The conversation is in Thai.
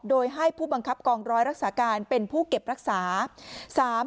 โดยให้ผู้บังคับกองร้อยรักษาการเป็นผู้เก็บรักษา